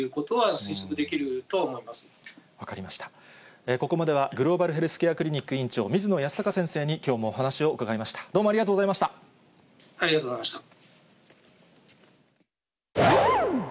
ここまではグローバルヘルスケアクリニック院長、水野泰孝先生にきょうもお話を伺いました。